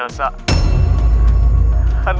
kalau sudah cak tante